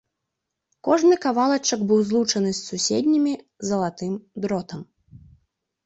Кожны кавалачак быў злучаны з суседнімі залатым дротам.